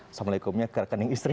assalamualaikum ya ke rekening istri